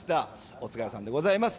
お疲れさんでございます。